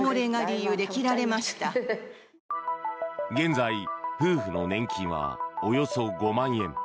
現在、夫婦の年金はおよそ５万円。